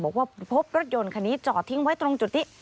บอกว่าพบรถยนต์คันนี้จอดทิ้งไว้ตรงจุดนี้